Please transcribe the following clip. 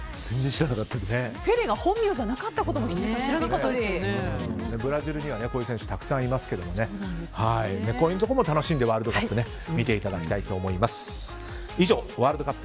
ペレが本名じゃなかったこともブラジルにはこういう選手がたくさんいますがこういうことも楽しんでワールドカップを見ていただきたいと思います。